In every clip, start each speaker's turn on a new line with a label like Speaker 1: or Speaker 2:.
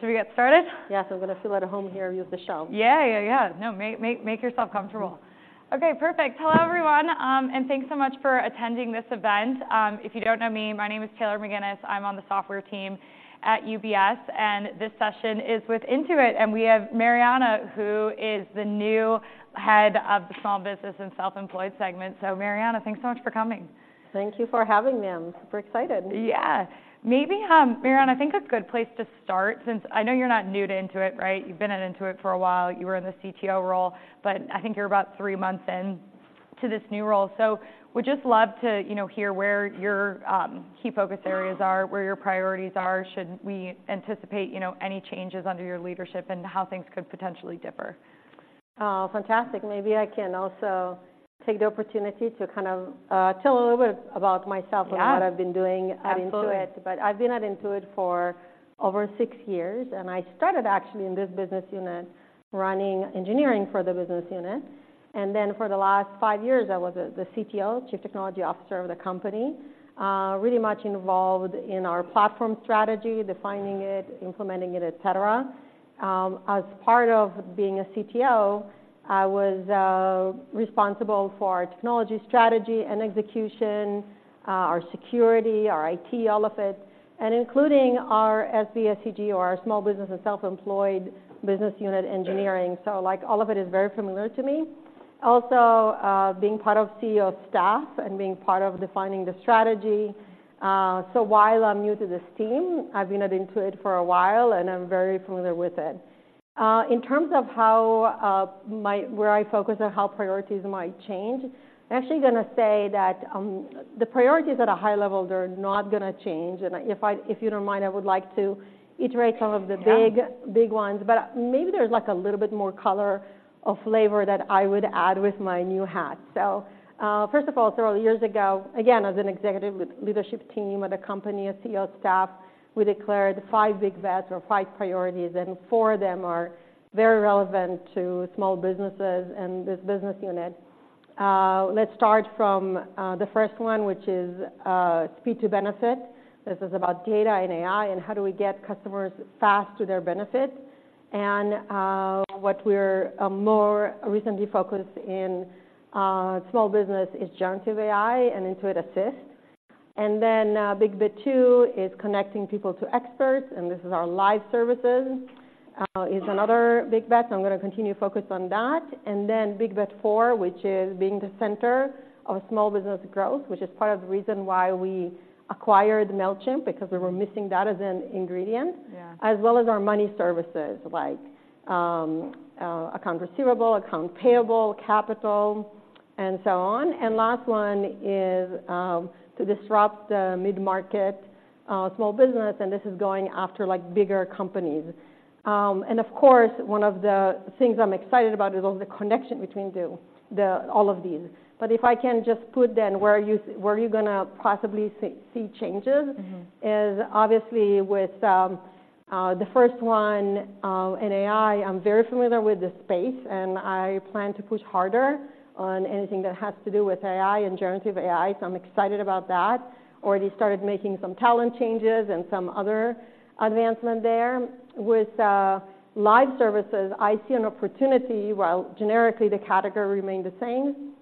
Speaker 1: Should we get started?
Speaker 2: Yes, I'm gonna feel at home here, use the shell.
Speaker 1: Yeah, yeah, yeah. No, make yourself comfortable. Okay, perfect. Hello, everyone, and thanks so much for attending this event. If you don't know me, my name is Taylor McGinnis. I'm on the software team at UBS, and this session is with Intuit, and we have Marianna, who is the new head of the small business and self-employed segment. So Marianna, thanks so much for coming.
Speaker 2: Thank you for having me. I'm super excited.
Speaker 1: Yeah. Maybe, Marianna, I think a good place to start, since I know you're not new to Intuit, right? You've been at Intuit for a while. You were in the CTO role, but I think you're about three months into this new role. So would just love to, you know, hear where your key focus areas are, where your priorities are. Should we anticipate, you know, any changes under your leadership and how things could potentially differ?
Speaker 2: Fantastic. Maybe I can also take the opportunity to kind of tell a little bit about myself-
Speaker 1: Yeah...
Speaker 2: and what I've been doing at Intuit.
Speaker 1: Absolutely.
Speaker 2: But I've been at Intuit for over six years, and I started actually in this business unit, running engineering for the business unit. Then for the last five years, I was the CTO, Chief Technology Officer of the company, really much involved in our platform strategy, defining it, implementing it, et cetera. As part of being a CTO, I was responsible for our technology strategy and execution, our security, our IT, all of it, and including our SBSTG, or our small business and self-employed business unit engineering. So, like, all of it is very familiar to me. Also, being part of CEO staff and being part of defining the strategy, so while I'm new to this team, I've been at Intuit for a while, and I'm very familiar with it. In terms of how where I focus or how priorities might change, I'm actually gonna say that the priorities at a high level, they're not gonna change. If you don't mind, I would like to iterate some of the big-
Speaker 1: Yeah...
Speaker 2: big ones, but maybe there's, like, a little bit more color or flavor that I would add with my new hat. So, first of all, several years ago, again, as an executive with leadership team at a company, a CEO staff, we declared five big bets or five priorities, and four of them are very relevant to small businesses and this business unit. Let's start from the first one, which is speed to benefit. This is about data and AI, and how do we get customers fast to their benefit? And what we're more recently focused in small business is generative AI and Intuit Assist. And then big bet two is connecting people to experts, and this is our Live services is another big bet, so I'm gonna continue to focus on that. Then Big Bet four, which is being the center of small business growth, which is part of the reason why we acquired Mailchimp, because we were missing that as an ingredient.
Speaker 1: Yeah...
Speaker 2: as well as our money services, like, account receivable, account payable, capital, and so on. Last one is to disrupt the mid-market, small business, and this is going after, like, bigger companies. Of course, one of the things I'm excited about is all the connection between the... all of these. But if I can just put then where you, where you're gonna possibly see changes-
Speaker 1: Mm-hmm...
Speaker 2: is obviously with the first one in AI. I'm very familiar with the space, and I plan to push harder on anything that has to do with AI and generative AI, so I'm excited about that. Already started making some talent changes and some other advancement there. With live services, I see an opportunity, while generically the category remain the same,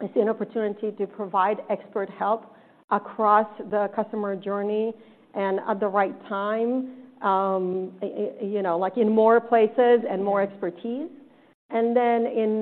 Speaker 2: I see an opportunity to provide expert help across the customer journey and at the right time, you know, like in more places and more expertise. And then in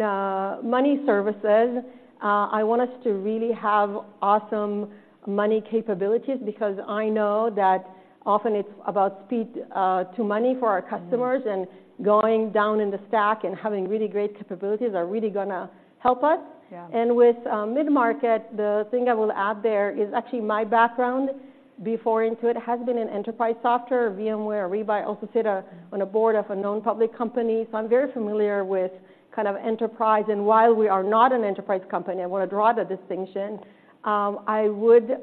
Speaker 2: money services, I want us to really have awesome money capabilities because I know that often it's about speed to money for our customers-
Speaker 1: Mm...
Speaker 2: and going down in the stack and having really great capabilities are really gonna help us.
Speaker 1: Yeah.
Speaker 2: With mid-market, the thing I will add there is actually my background before Intuit has been in enterprise software, VMware, Ariba, also sit on a board of a known public company. So I'm very familiar with kind of enterprise, and while we are not an enterprise company, I want to draw the distinction. I would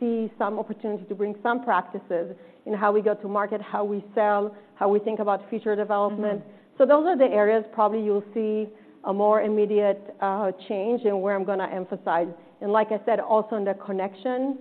Speaker 2: see some opportunity to bring some practices in how we go to market, how we sell, how we think about future development.
Speaker 1: Mm-hmm.
Speaker 2: So those are the areas probably you'll see a more immediate change and where I'm gonna emphasize. And like I said, also in the connection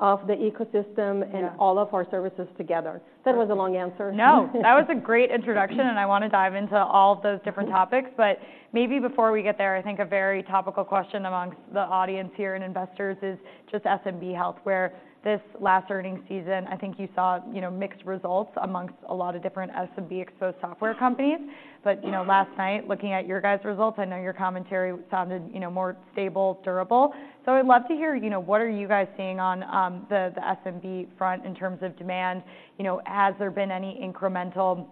Speaker 2: of the ecosystem-
Speaker 1: Yeah...
Speaker 2: and all of our services together. That was a long answer.
Speaker 1: No, that was a great introduction, and I wanna dive into all of those different topics. But maybe before we get there, I think a very topical question amongst the audience here and investors is just SMB health, where this last earnings season, I think you saw, you know, mixed results amongst a lot of different SMB-exposed software companies. But, you know, last night, looking at your guys' results, I know your commentary sounded, you know, more stable, durable. So I'd love to hear, you know, what are you guys seeing on the SMB front in terms of demand? You know, has there been any incremental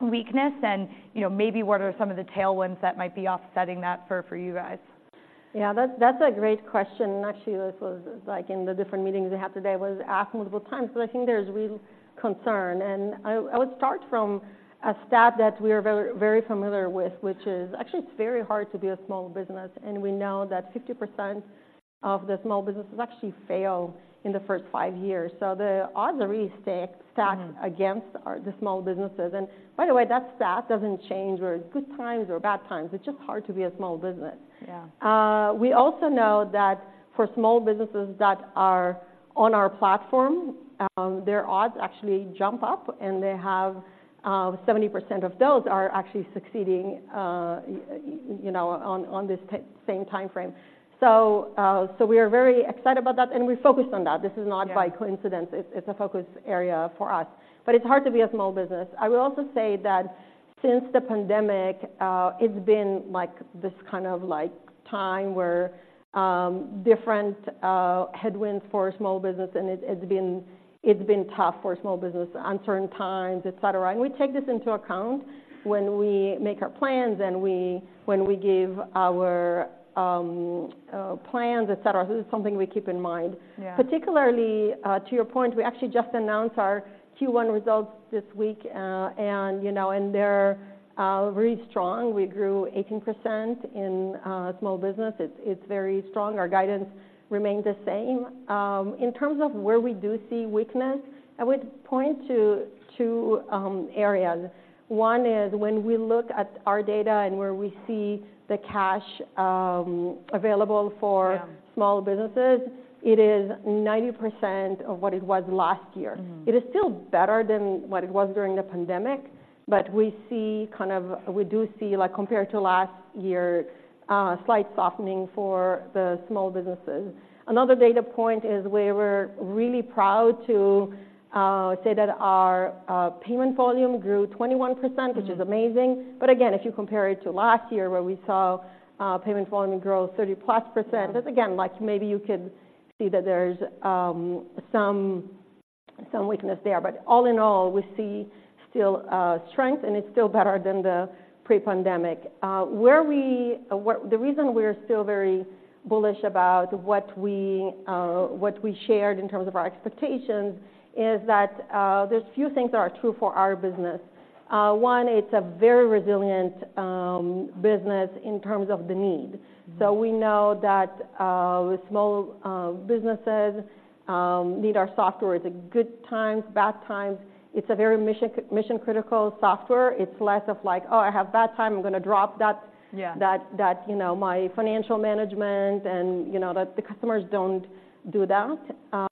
Speaker 1: weakness? And, you know, maybe what are some of the tailwinds that might be offsetting that for you guys?
Speaker 2: Yeah, that's a great question. Actually, this was like in the different meetings I had today, was asked multiple times, but I think there's real concern. And I would start from a stat that we are very, very familiar with, which is actually it's very hard to be a small business, and we know that 50% of the small businesses actually fail in the first five years. So the odds are really stacked.
Speaker 1: Mm-hmm.
Speaker 2: against all the small businesses. And by the way, that stat doesn't change in good times or bad times. It's just hard to be a small business.
Speaker 1: Yeah.
Speaker 2: We also know that for small businesses that are on our platform, their odds actually jump up, and they have 70% of those are actually succeeding, you know, on this same time frame. So we are very excited about that, and we focused on that.
Speaker 1: Yeah.
Speaker 2: This is not by coincidence. It's a focus area for us, but it's hard to be a small business. I will also say that since the pandemic, it's been like this kind of like time where different headwinds for small business, and it's been tough for small business, uncertain times, et cetera. We take this into account when we make our plans, and when we give our plans, et cetera. This is something we keep in mind.
Speaker 1: Yeah.
Speaker 2: Particularly, to your point, we actually just announced our Q1 results this week, and, you know, and they're really strong. We grew 18% in small business. It's very strong. Our guidance remained the same. In terms of where we do see weakness, I would point to two areas. One is when we look at our data and where we see the cash available for-
Speaker 1: Yeah...
Speaker 2: small businesses, it is 90% of what it was last year.
Speaker 1: Mm.
Speaker 2: It is still better than what it was during the pandemic, but we see kind of... We do see, like, compared to last year, slight softening for the small businesses. Another data point is we were really proud to say that our payment volume grew 21%-
Speaker 1: Mm.
Speaker 2: -which is amazing. But again, if you compare it to last year, where we saw, payment volume grow 30%+-
Speaker 1: Mm.
Speaker 2: That's again, like maybe you could see that there's some weakness there. But all in all, we see still strength, and it's still better than the pre-pandemic. The reason we're still very bullish about what we shared in terms of our expectations is that there's few things that are true for our business. One, it's a very resilient business in terms of the need.
Speaker 1: Mm.
Speaker 2: So we know that small businesses need our software. It's good times, bad times. It's a very mission critical software. It's less of like: Oh, I have bad time, I'm gonna drop that-
Speaker 1: Yeah...
Speaker 2: that you know, my financial management and, you know, that the customers don't do that.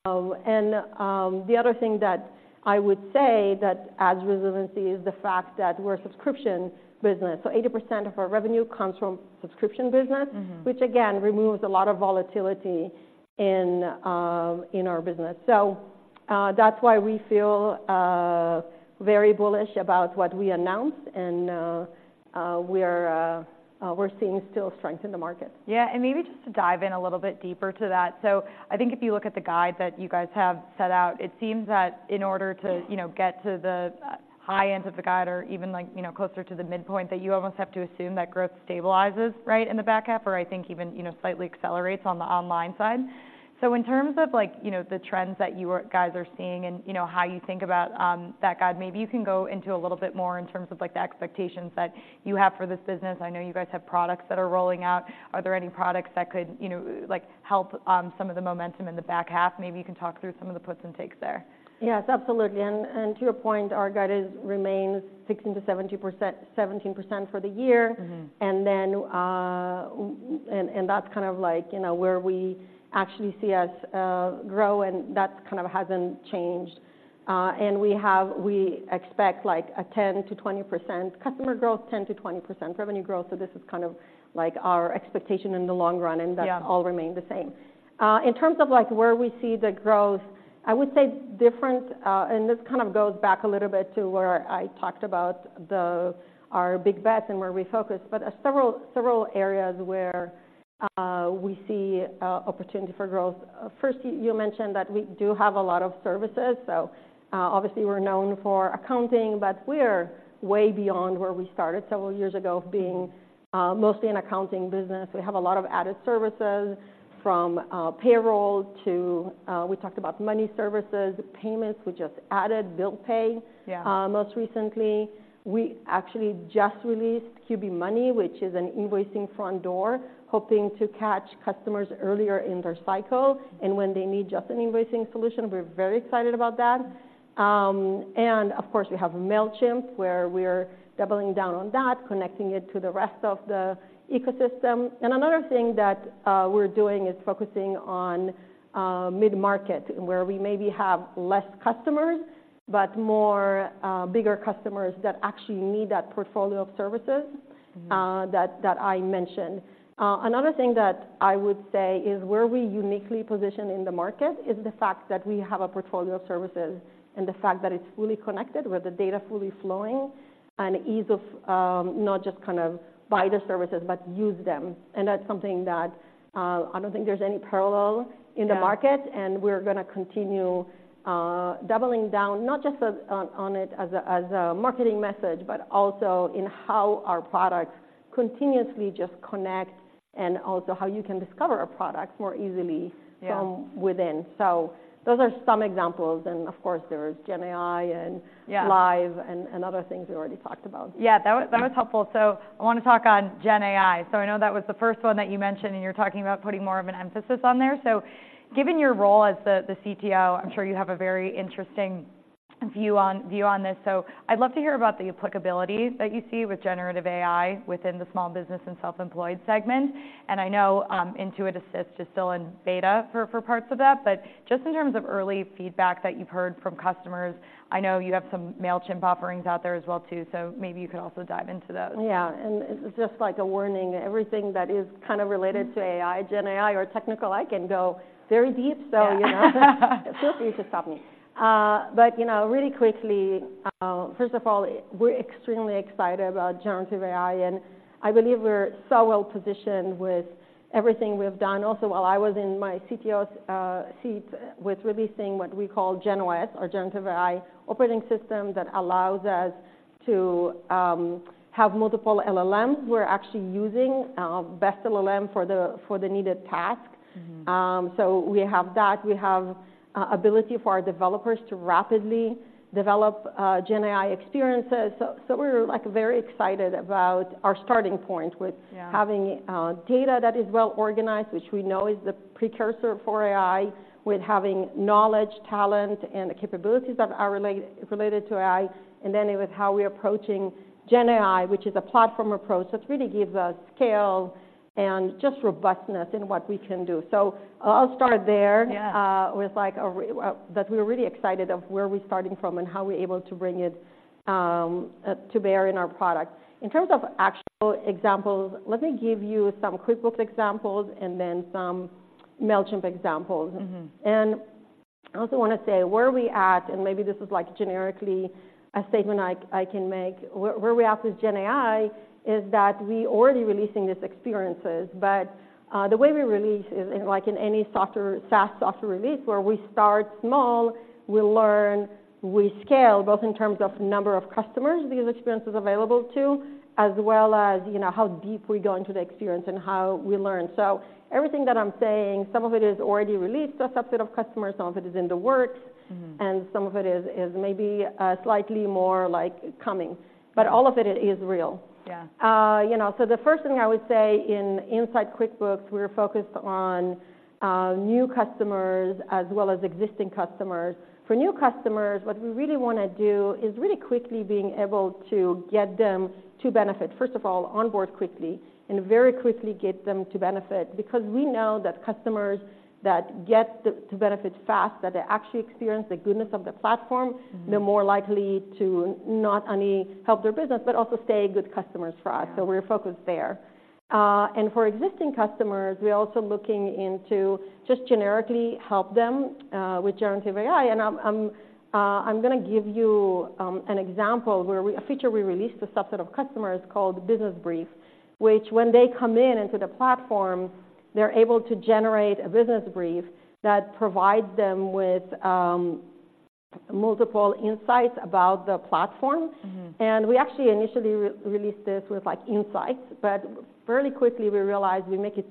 Speaker 2: The other thing that I would say that adds resiliency is the fact that we're a subscription business, so 80% of our revenue comes from subscription business-
Speaker 1: Mm-hmm...
Speaker 2: which again removes a lot of volatility in our business. So, that's why we feel very bullish about what we announced, and we're seeing still strength in the market.
Speaker 1: Yeah, and maybe just to dive in a little bit deeper to that. So I think if you look at the guide that you guys have set out, it seems that in order to, you know, get to the high end of the guide or even like, you know, closer to the midpoint, that you almost have to assume that growth stabilizes, right? In the back half, or I think even, you know, slightly accelerates on the online side. So in terms of like, you know, the trends that you guys are seeing and, you know, how you think about that guide, maybe you can go into a little bit more in terms of like, the expectations that you have for this business. I know you guys have products that are rolling out. Are there any products that could, you know, like, help some of the momentum in the back half? Maybe you can talk through some of the puts and takes there.
Speaker 2: Yes, absolutely. And to your point, our guidance remains 16%-70%, 17% for the year.
Speaker 1: Mm-hmm.
Speaker 2: And then, and that's kind of like, you know, where we actually see us grow, and that kind of hasn't changed. And we expect like a 10%-20% customer growth, 10%-20% revenue growth. So this is kind of like our expectation in the long run.
Speaker 1: Yeah.
Speaker 2: That all remain the same. In terms of like where we see the growth, I would say different, and this kind of goes back a little bit to where I talked about our Big Bets and where we focus, but several areas where we see opportunity for growth. First, you mentioned that we do have a lot of services, so obviously we're known for accounting, but we're way beyond where we started several years ago, being mostly an accounting business. We have a lot of added services, from payroll to we talked about money services, payments. We just added Bill Pay-
Speaker 1: Yeah...
Speaker 2: most recently. We actually just released QB Money, which is an invoicing front door, hoping to catch customers earlier in their cycle and when they need just an invoicing solution. We're very excited about that. And of course, we have Mailchimp, where we're doubling down on that, connecting it to the rest of the ecosystem. And another thing that, we're doing is focusing on, mid-market, where we maybe have less customers, but more, bigger customers that actually need that portfolio of services-
Speaker 1: Mm...
Speaker 2: that I mentioned. Another thing that I would say is where we uniquely position in the market is the fact that we have a portfolio of services and the fact that it's fully connected, with the data fully flowing, and ease of, not just kind of buy the services but use them. And that's something that, I don't think there's any parallel in the market.
Speaker 1: Yeah.
Speaker 2: We're gonna continue doubling down, not just on it as a marketing message, but also in how our products continuously just connect and also how you can discover our products more easily from within. Those are some examples, and of course, there's GenAI and-
Speaker 1: Yeah
Speaker 2: Live and other things we already talked about.
Speaker 1: Yeah, that was, that was helpful. So I wanna talk on GenAI. So I know that was the first one that you mentioned, and you're talking about putting more of an emphasis on there. So given your role as the CTO, I'm sure you have a very interesting view on, view on this. So I'd love to hear about the applicability that you see with generative AI within the small business and self-employed segment. And I know, Intuit Assist is still in beta for parts of that, but just in terms of early feedback that you've heard from customers, I know you have some Mailchimp offerings out there as well, too, so maybe you could also dive into those.
Speaker 2: Yeah, and it's just like a warning, everything that is kind of related to AI, GenAI or technical AI, can go very deep.
Speaker 1: Yeah.
Speaker 2: So, you know, feel free to stop me. But, you know, really quickly, first of all, we're extremely excited about generative AI, and I believe we're so well-positioned with everything we've done. Also, while I was in my CTO's seat, with releasing what we call GenOS, or Generative AI Operating System, that allows us to have multiple LLMs. We're actually using best LLM for the, for the needed task.
Speaker 1: Mm-hmm.
Speaker 2: So we have that. We have ability for our developers to rapidly develop GenAI experiences. So we're, like, very excited about our starting point-
Speaker 1: Yeah...
Speaker 2: with having data that is well organized, which we know is the precursor for AI, with having knowledge, talent, and the capabilities that are related to AI, and then with how we're approaching GenAI, which is a platform approach, that really gives us scale and just robustness in what we can do. So I'll start there-
Speaker 1: Yeah...
Speaker 2: with, like, that we're really excited of where we're starting from and how we're able to bring it to bear in our product. In terms of actual examples, let me give you some QuickBooks examples and then some Mailchimp examples.
Speaker 1: Mm-hmm.
Speaker 2: And I also wanna say, where we at, and maybe this is, like, generically a statement I can make, where we're at with GenAI is that we already releasing these experiences, but the way we release is, like in any software-SaaS software release, where we start small, we learn, we scale, both in terms of number of customers these experience is available to, as well as, you know, how deep we go into the experience and how we learn. So everything that I'm saying, some of it is already released to a subset of customers, some of it is in the works-
Speaker 1: Mm-hmm...
Speaker 2: and some of it is maybe slightly more like coming, but all of it is real.
Speaker 1: Yeah.
Speaker 2: You know, so the first thing I would say in inside QuickBooks, we're focused on, new customers as well as existing customers. For new customers, what we really wanna do is really quickly being able to get them to benefit. First of all, onboard quickly, and very quickly get them to benefit because we know that customers that get to benefit fast, that they actually experience the goodness of the platform-
Speaker 1: Mm-hmm...
Speaker 2: they're more likely to not only help their business, but also stay good customers for us.
Speaker 1: Yeah.
Speaker 2: So we're focused there. And for existing customers, we're also looking into just generically help them with generative AI. And I'm gonna give you an example where we... A feature we released to a subset of customers called Business Brief, which when they come in into the platform, they're able to generate a Business Brief that provides them with multiple insights about the platform.
Speaker 1: Mm-hmm.
Speaker 2: We actually initially re-released this with, like, insights, but fairly quickly we realized we can make it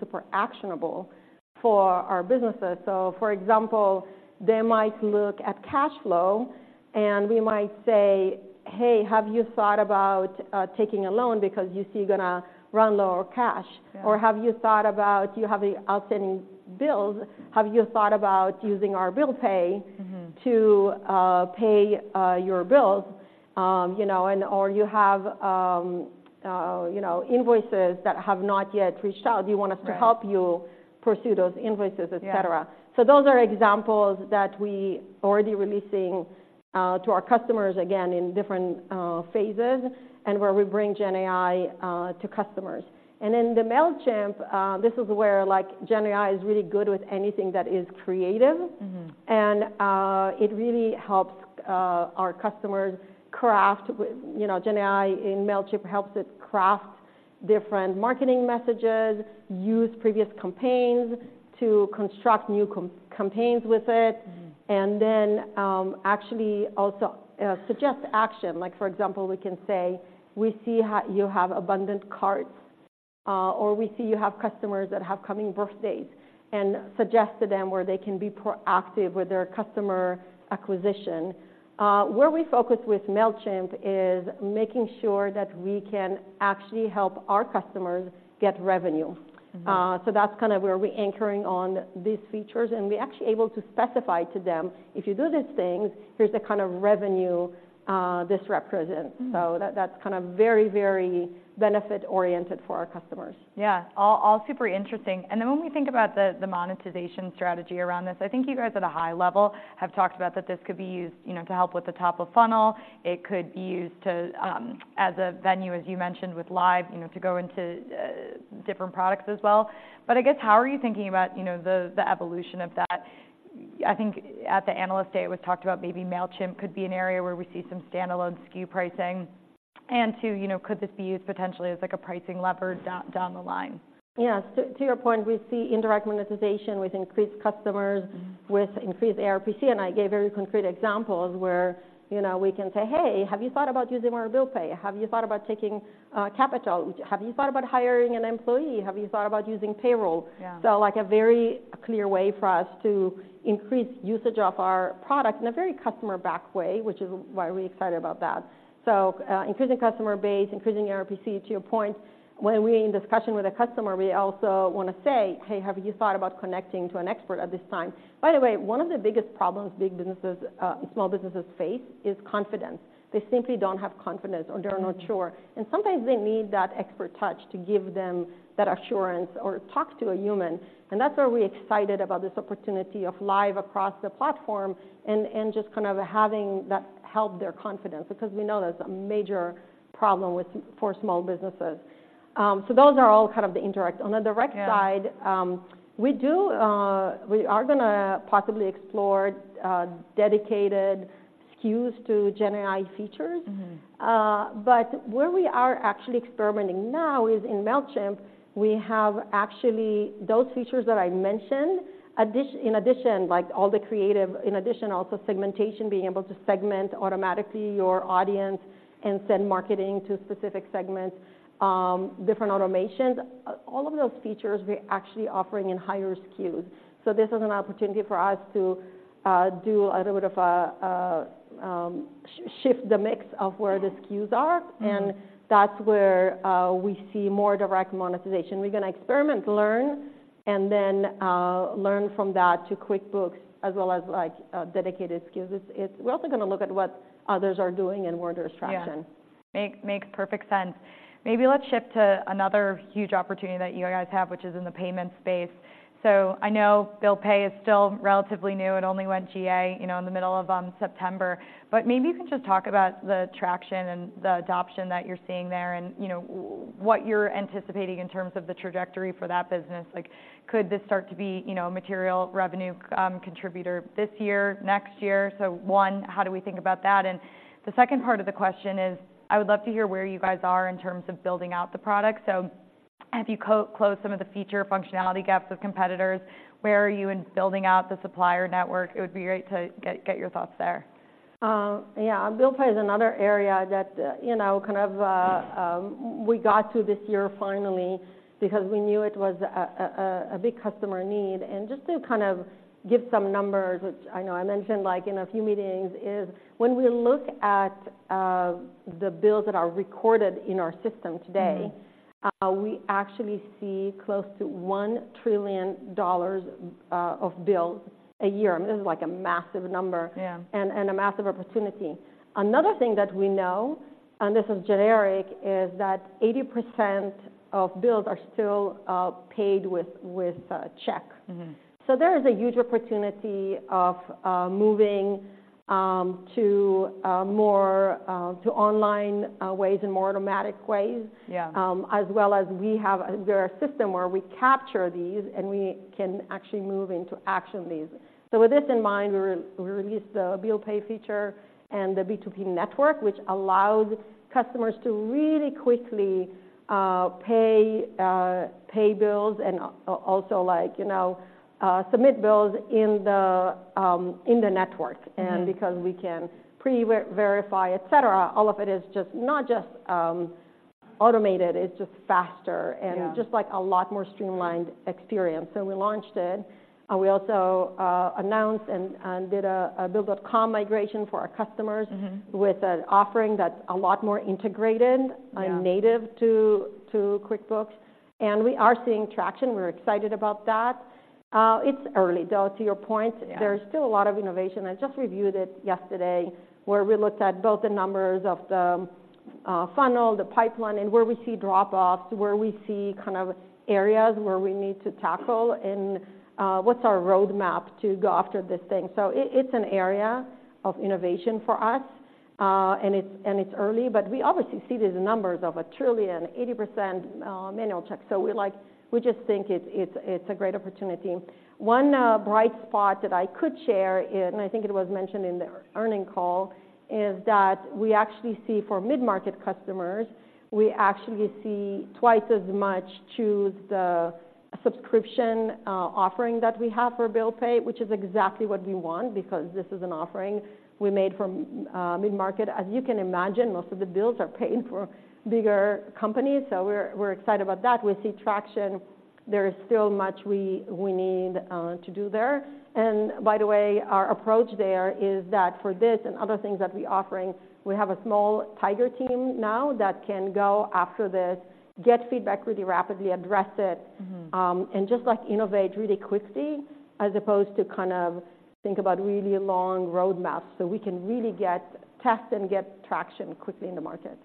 Speaker 2: super actionable for our businesses. So for example, they might look at cash flow, and we might say, "Hey, have you thought about taking a loan because you see you're gonna run low on cash?
Speaker 1: Yeah.
Speaker 2: Or have you thought about you have outstanding bills? Have you thought about using our bill pay-
Speaker 1: Mm-hmm...
Speaker 2: to pay your bills? You know, and or you have you know, invoices that have not yet reached out. Do you want us-
Speaker 1: Right...
Speaker 2: to help you pursue those invoices," et cetera?
Speaker 1: Yeah.
Speaker 2: So those are examples that we already releasing to our customers, again, in different phases, and where we bring GenAI to customers. And in the Mailchimp, this is where, like, GenAI is really good with anything that is creative.
Speaker 1: Mm-hmm.
Speaker 2: It really helps our customers craft with—you know—GenAI in Mailchimp helps it craft different marketing messages, use previous campaigns to construct new campaigns with it-
Speaker 1: Mm-hmm...
Speaker 2: and then, actually also, suggest action. Like, for example, we can say, "We see how you have abundant carts," or, "We see you have customers that have coming birthdays," and suggest to them where they can be proactive with their customer acquisition. Where we focus with Mailchimp is making sure that we can actually help our customers get revenue.
Speaker 1: Mm-hmm.
Speaker 2: So that's kind of where we're anchoring on these features, and we're actually able to specify to them: If you do these things, here's the kind of revenue this represents.
Speaker 1: Mm-hmm.
Speaker 2: So that's kind of very, very benefit-oriented for our customers.
Speaker 1: Yeah. All, all super interesting. And then when we think about the, the monetization strategy around this, I think you guys at a high level have talked about that this could be used, you know, to help with the top of funnel. It could be used to as a venue, as you mentioned, with Live, you know, to go into different products as well. But I guess, how are you thinking about, you know, the, the evolution of that? I think at the Analyst Day, it was talked about maybe Mailchimp could be an area where we see some standalone SKU pricing. And two, you know, could this be used potentially as, like, a pricing lever down, down the line?
Speaker 2: Yes. To your point, we see indirect monetization with increased customers-
Speaker 1: Mm-hmm.
Speaker 2: -with increased ARPC, and I gave very concrete examples where, you know, we can say, "Hey, have you thought about using our bill pay? Have you thought about taking capital? Have you thought about hiring an employee? Have you thought about using payroll?
Speaker 1: Yeah.
Speaker 2: So, like, a very clear way for us to increase usage of our product in a very customer-backed way, which is why we're excited about that. So, increasing customer base, increasing ARPC, to your point, when we're in discussion with a customer, we also wanna say, "Hey, have you thought about connecting to an expert at this time?" By the way, one of the biggest problems big businesses, small businesses face is confidence. They simply don't have confidence or they're not sure.
Speaker 1: Mm-hmm.
Speaker 2: Sometimes they need that expert touch to give them that assurance or talk to a human, and that's why we're excited about this opportunity of live across the platform and just kind of having that help their confidence, because we know that's a major problem with—for small businesses. So those are all kind of the indirect.
Speaker 1: Yeah.
Speaker 2: On the direct side, we are gonna possibly explore dedicated SKUs to GenAI features.
Speaker 1: Mm-hmm.
Speaker 2: But where we are actually experimenting now is in Mailchimp. We have actually those features that I mentioned. In addition, also segmentation, being able to segment automatically your audience and send marketing to specific segments, different automations. All of those features we're actually offering in higher SKUs. So this is an opportunity for us to do a little bit of a shift the mix of where the SKUs are.
Speaker 1: Mm-hmm.
Speaker 2: That's where we see more direct monetization. We're gonna experiment, learn, and then learn from that to QuickBooks as well as, like, dedicated SKUs. We're also gonna look at what others are doing and where there's traction.
Speaker 1: Yeah. Makes perfect sense. Maybe let's shift to another huge opportunity that you guys have, which is in the payment space. So I know bill pay is still relatively new. It only went GA, you know, in the middle of September. But maybe you can just talk about the traction and the adoption that you're seeing there and, you know, what you're anticipating in terms of the trajectory for that business. Like, could this start to be, you know, a material revenue contributor this year, next year? So, one, how do we think about that? And the second part of the question is, I would love to hear where you guys are in terms of building out the product. So have you closed some of the feature functionality gaps with competitors? Where are you in building out the supplier network? It would be great to get your thoughts there.
Speaker 2: Yeah. Bill pay is another area that, you know, kind of, we got to this year finally, because we knew it was a big customer need. And just to kind of give some numbers, which I know I mentioned, like, in a few meetings, is when we look at the bills that are recorded in our system today-
Speaker 1: Mm-hmm...
Speaker 2: we actually see close to $1 trillion of bills a year. I mean, this is, like, a massive number-
Speaker 1: Yeah...
Speaker 2: and a massive opportunity. Another thing that we know, and this is generic, is that 80% of bills are still paid with check.
Speaker 1: Mm-hmm.
Speaker 2: So there is a huge opportunity of moving to more to online ways and more automatic ways.
Speaker 1: Yeah.
Speaker 2: There are systems where we capture these, and we can actually move into action these. So with this in mind, we released the bill pay feature and the B2B Network, which allowed customers to really quickly pay bills and also, like, you know, submit bills in the network.
Speaker 1: Mm-hmm.
Speaker 2: Because we can pre-verify, et cetera, all of it is just not just automated, it's just faster-
Speaker 1: Yeah...
Speaker 2: and just, like, a lot more streamlined experience. So we launched it, and we also announced and did a Bill.com migration for our customers-
Speaker 1: Mm-hmm...
Speaker 2: with an offering that's a lot more integrated-
Speaker 1: Yeah...
Speaker 2: and native to QuickBooks. We are seeing traction. We're excited about that. It's early, though, to your point.
Speaker 1: Yeah.
Speaker 2: There's still a lot of innovation. I just reviewed it yesterday, where we looked at both the numbers of the funnel, the pipeline, and where we see dropoffs, where we see kind of areas where we need to tackle, and what's our roadmap to go after this thing. So it's an area of innovation for us, and it's early, but we obviously see these numbers of $1 trillion, 80% manual checks. So, like, we just think it's a great opportunity. One bright spot that I could share, and I think it was mentioned in the earnings call, is that we actually see for Mid-Market customers, we actually see twice as much choose the subscription offering that we have for bill pay, which is exactly what we want, because this is an offering we made from Mid-Market. As you can imagine, most of the bills are paid for bigger companies, so we're excited about that. We see traction. There is still much we need to do there. And by the way, our approach there is that for this and other things that we're offering, we have a small tiger team now that can go after this, get feedback really rapidly, address it-
Speaker 1: Mm-hmm...
Speaker 2: and just, like, innovate really quickly, as opposed to kind of think about really long roadmaps. So we can really test and get traction quickly in the market.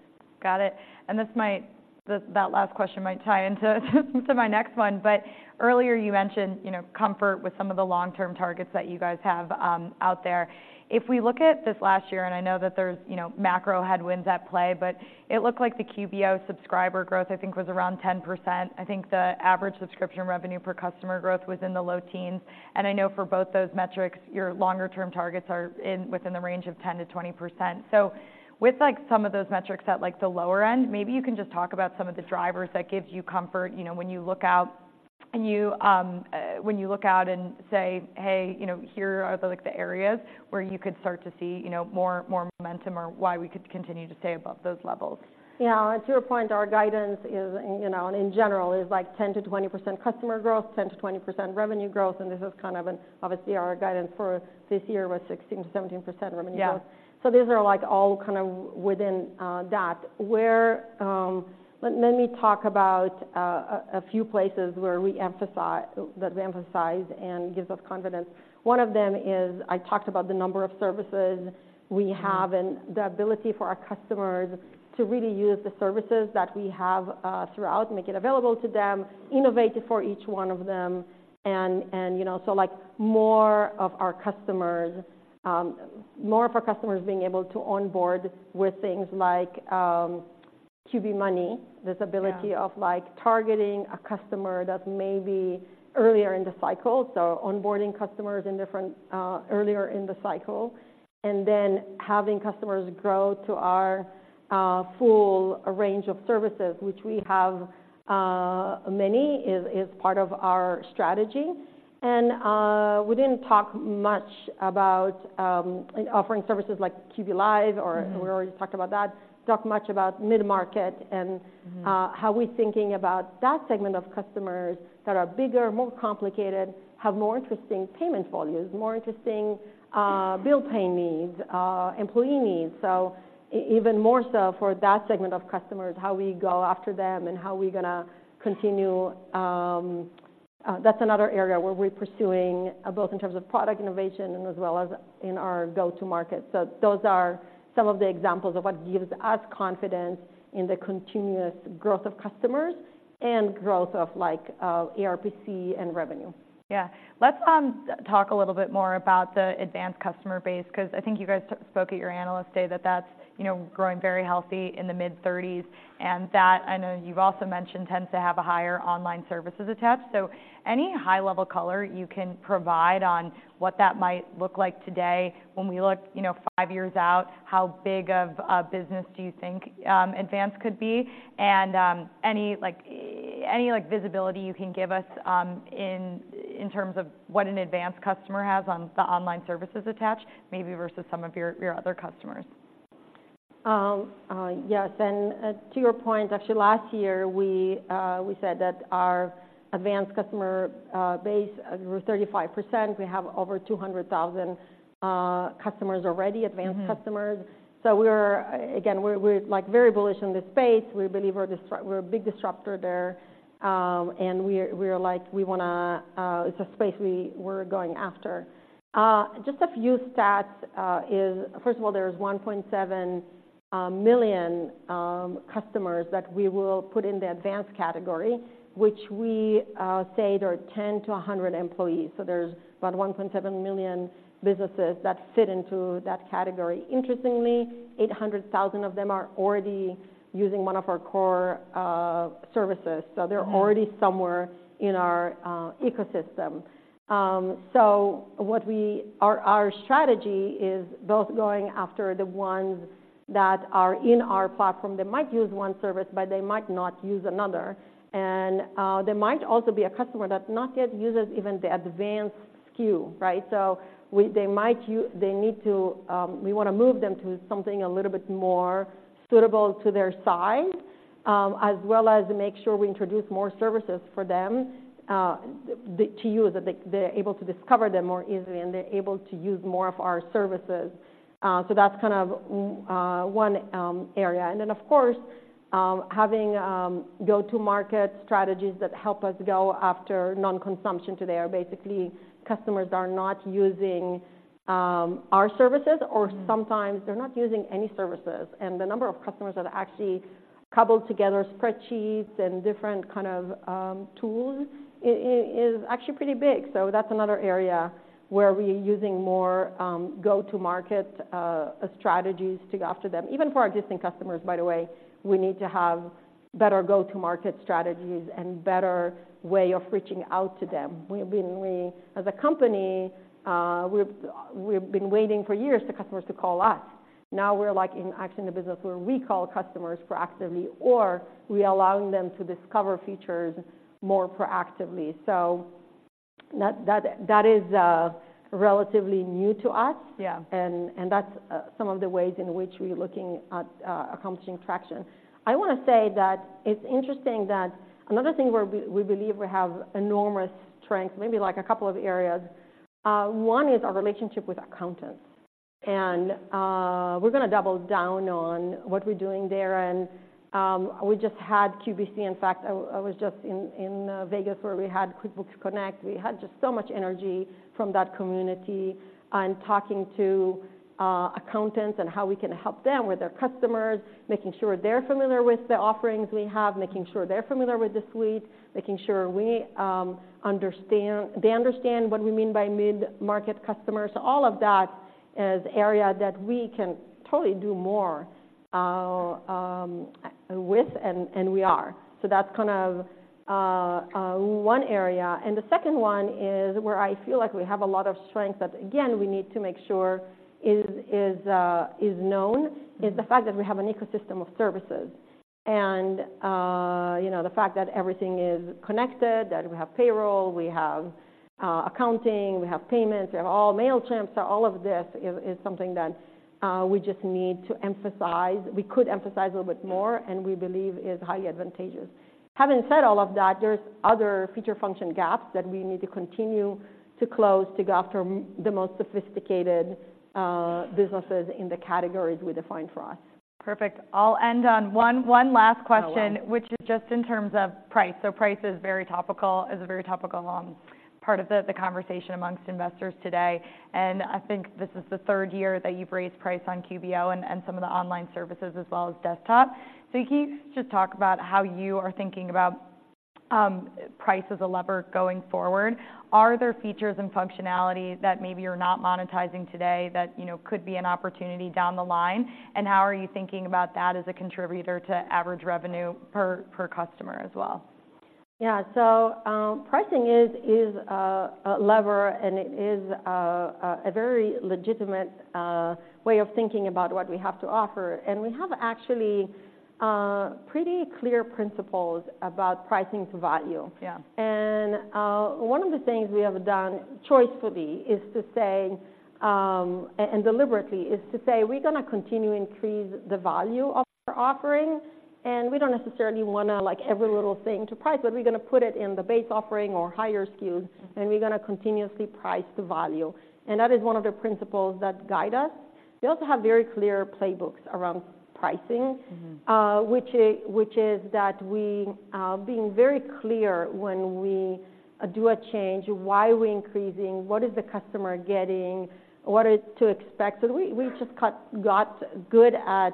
Speaker 1: Got it. And that last question might tie into my next one. But earlier, you mentioned, you know, comfort with some of the long-term targets that you guys have out there. If we look at this last year, and I know that there's, you know, macro headwinds at play, but it looked like the QBO subscriber growth, I think, was around 10%. I think the average subscription revenue per customer growth was in the low teens. And I know for both those metrics, your longer-term targets are within the range of 10%-20%. So with, like, some of those metrics at, like, the lower end, maybe you can just talk about some of the drivers that gives you comfort, you know, when you look out-... You, when you look out and say, "Hey, you know, here are the, like, the areas where you could start to see, you know, more, more momentum or why we could continue to stay above those levels.
Speaker 2: Yeah, to your point, our guidance is, you know, and in general is like 10%-20% customer growth, 10%-20% revenue growth, and this is kind of an—obviously, our guidance for this year was 16%-17% revenue growth.
Speaker 1: Yeah.
Speaker 2: So these are like all kind of within that. Where, let me talk about a few places where we emphasize that we emphasize and gives us confidence. One of them is I talked about the number of services we have-
Speaker 1: Mm-hmm.
Speaker 2: and the ability for our customers to really use the services that we have, throughout, make it available to them, innovate for each one of them. And, and, you know, so like more of our customers, more of our customers being able to onboard with things like, QB Money.
Speaker 1: Yeah.
Speaker 2: This ability of like targeting a customer that may be earlier in the cycle, so onboarding customers in different, earlier in the cycle, and then having customers grow to our, full range of services, which we have, many, is, is part of our strategy. And, we didn't talk much about, offering services like QB Live or-
Speaker 1: Mm-hmm.
Speaker 2: We already talked about that. Talk much about Mid-Market and-
Speaker 1: Mm-hmm...
Speaker 2: how we're thinking about that segment of customers that are bigger, more complicated, have more interesting payment volumes, more interesting bill pay needs, employee needs. So even more so for that segment of customers, how we go after them and how we're gonna continue, that's another area where we're pursuing both in terms of product innovation and as well as in our go-to-market. So those are some of the examples of what gives us confidence in the continuous growth of customers and growth of like ARPC and revenue.
Speaker 1: Yeah. Let's talk a little bit more about the advanced customer base, 'cause I think you guys spoke at your analyst day that that's, you know, growing very healthy in the mid-thirties, and that I know you've also mentioned tends to have a higher online services attached. So any high-level color you can provide on what that might look like today when we look, you know, five years out, how big of a business do you think advanced could be? And any, like, visibility you can give us in terms of what an Advanced customer has on the online services attached, maybe versus some of your other customers.
Speaker 2: Yes, and to your point, actually, last year, we said that our Advancustomer base grew 35%. We have over 200,000 customers already-
Speaker 1: Mm-hmm...
Speaker 2: advanced customers. So we're, again, we're like very bullish in this space. We believe we're a big disruptor there. And we're like we wanna. It's a space we're going after. Just a few stats is first of all, there is 1.7 million customers that we will put in the advanced category, which we say they're 10-100 employees. So there's about 1.7 million businesses that fit into that category. Interestingly, 800,000 of them are already using one of our core services.
Speaker 1: Mm-hmm.
Speaker 2: So they're already somewhere in our ecosystem. So what our strategy is both going after the ones that are in our platform. They might use one service, but they might not use another, and there might also be a customer that not yet uses even the advanced SKU, right? So they might they need to. We wanna move them to something a little bit more suitable to their size, as well as make sure we introduce more services for them to use, that they, they're able to discover them more easily, and they're able to use more of our services. So that's kind of one area. And then, of course, having go-to-market strategies that help us go after non-consumption today, are basically customers that are not using our services-
Speaker 1: Mm-hmm...
Speaker 2: or sometimes they're not using any services. The number of customers that actually cobbled together spreadsheets and different kind of tools is actually pretty big. That's another area where we are using more go-to-market strategies to go after them. Even for our existing customers, by the way, we need to have better go-to-market strategies and better way of reaching out to them. We've been, as a company, we've been waiting for years for customers to call us. Now, we're, like, actually in the business where we call customers proactively, or we're allowing them to discover features more proactively. That is relatively new to us.
Speaker 1: Yeah.
Speaker 2: That's some of the ways in which we're looking at accomplishing traction. I wanna say that it's interesting that another thing where we believe we have enormous strength, maybe like a couple of areas, one is our relationship with accountants, and we're gonna double down on what we're doing there. We just had QBC. In fact, I was just in Vegas, where we had QuickBooks Connect. We had just so much energy from that community and talking to accountants and how we can help them with their customers, making sure they're familiar with the offerings we have, making sure they're familiar with the suite, making sure they understand what we mean by mid-market customers. All of that is area that we can totally do more with, and we are. So that's kind of one area. And the second one is where I feel like we have a lot of strength that, again, we need to make sure is known, is the fact that we have an ecosystem of services. And you know, the fact that everything is connected, that we have payroll, we have accounting, we have payments, we have all Mailchimp's, all of this is something that we just need to emphasize. We could emphasize a little bit more, and we believe is highly advantageous. Having said all of that, there's other feature function gaps that we need to continue to close to go after the most sophisticated businesses in the categories we define for us.
Speaker 1: Perfect. I'll end on one last question-
Speaker 2: I love it.
Speaker 1: -which is just in terms of price. So price is very topical, is a very topical, part of the, the conversation amongst investors today, and I think this is the third year that you've raised price on QBO and, and some of the online services as well as desktop. So can you just talk about how you are thinking about, price as a lever going forward? Are there features and functionality that maybe you're not monetizing today that, you know, could be an opportunity down the line? And how are you thinking about that as a contributor to average revenue per, per customer as well?
Speaker 2: Yeah. Pricing is a lever, and it is a very legitimate way of thinking about what we have to offer. We have actually pretty clear principles about pricing to value.
Speaker 1: Yeah.
Speaker 2: And one of the things we have done choicefully is to say, and deliberately, is to say, we're gonna continue increase the value of our offering, and we don't necessarily wanna like every little thing to price, but we're gonna put it in the base offering or higher SKUs, and we're gonna continuously price to value. That is one of the principles that guide us. We also have very clear playbooks around pricing-
Speaker 1: Mm-hmm.
Speaker 2: which is that we, being very clear when we do a change, why are we increasing? What is the customer getting? What is to expect? So we, we just got good at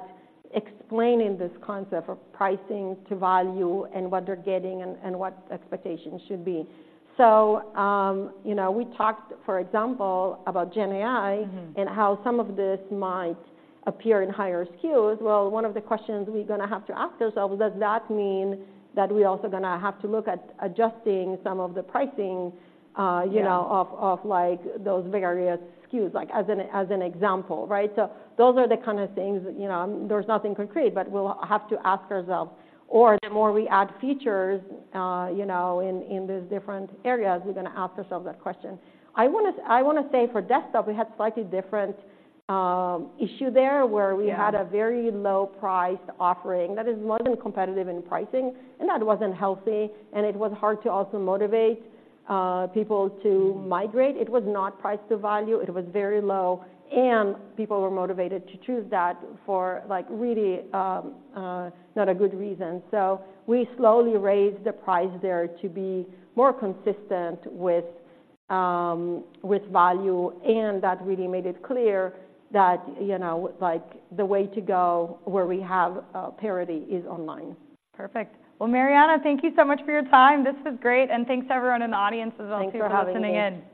Speaker 2: explaining this concept of pricing to value and what they're getting and, and what expectations should be. So, you know, we talked, for example, about GenAI-
Speaker 1: Mm-hmm.
Speaker 2: -and how some of this might appear in higher SKUs. Well, one of the questions we're gonna have to ask ourselves, does that mean that we're also gonna have to look at adjusting some of the pricing?
Speaker 1: Yeah ...
Speaker 2: you know, of like, those various SKUs? Like, as an example, right? So those are the kind of things, you know, there's nothing concrete, but we'll have to ask ourselves. Or the more we add features, you know, in these different areas, we're gonna ask ourselves that question. I wanna say for desktop, we had slightly different issue there-
Speaker 1: Yeah...
Speaker 2: where we had a very low price offering that is more than competitive in pricing, and that wasn't healthy, and it was hard to also motivate people to migrate.
Speaker 1: Mm-hmm.
Speaker 2: It was not price to value. It was very low, and people were motivated to choose that for, like, really, not a good reason. So we slowly raised the price there to be more consistent with, with value, and that really made it clear that, you know, like, the way to go where we have, parity is online.
Speaker 1: Perfect. Well, Marianna, thank you so much for your time. This was great, and thanks to everyone in the audience as well-
Speaker 2: Thanks for having me....
Speaker 1: who are listening in.